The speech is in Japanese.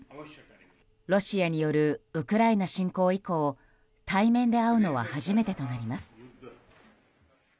ロシアによるウクライナ侵攻以降対面で会うのは初めてとなります。